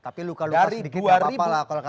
tapi luka luka sedikit gak apa apa lah